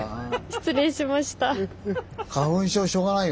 失礼しました。